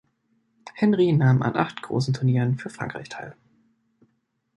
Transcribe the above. Henry nahm an acht großen Turnieren für Frankreich teil.